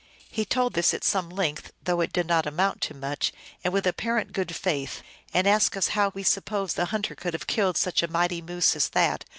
He told this at some length, though it did not amount to much, and with apparent good faith, and asked us how we sup posed the hunter could have killed such a mighty moose as that ; 5 66 THE ALGONQUIN LEGENDS.